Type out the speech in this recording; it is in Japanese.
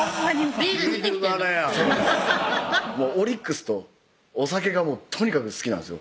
ビール腹やオリックスとお酒がとにかく好きなんですよ